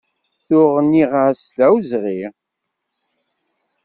Tuɣ nniɣ-as d awezɣi.